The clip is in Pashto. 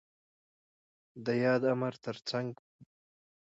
د ياد امر تر څنګ ب